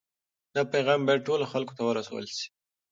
دا پیغام باید ټولو خلکو ته ورسول سي.